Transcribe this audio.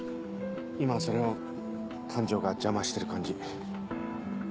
今はそれを感情が邪魔してる感じ。